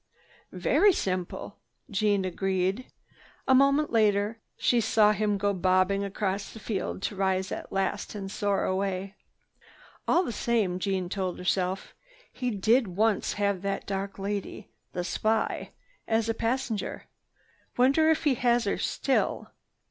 "Very simple," Jeanne agreed. A moment later she saw him go bobbing across the field to rise at last and soar away. "All the same," Jeanne told herself, "he did once have that dark lady, the spy, as a passenger. Wonder if he has her still?"